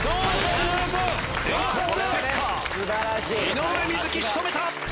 井上瑞稀仕留めた！